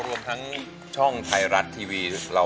รวมทั้งช่องไทยรัตน์ทีวี